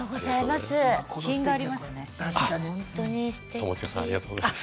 友近さんありがとうございます。